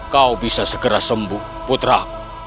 kau bisa segera sembuh putra